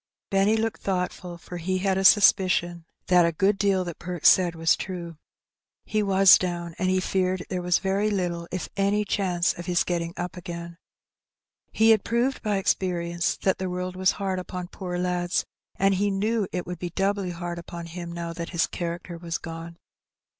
Benny looked thoughtful, for he had a suspicion that a 192 Hee Benny. g^d deal tliat Perks said was true. He was down^ and he feared there was very little, if any, chance of his getting up again. He had proved by experience that the world was hard upon poor lads, and he knew it would be doubly hard upon him now that his character was gone.